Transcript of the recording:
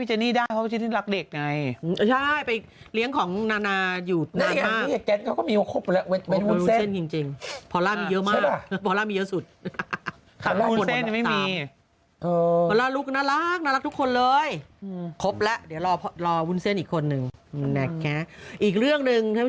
โอ้โฮนี่ดูดิคนแทบจะไปดินดีทั้งวงการแล้วเนี่ย